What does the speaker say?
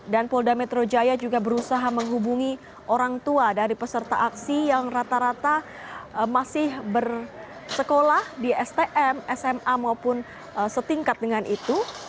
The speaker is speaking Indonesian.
dan polda metro jaya juga berusaha menghubungi orang tua dari peserta aksi yang rata rata masih bersekolah di stm sma maupun setingkat dengan itu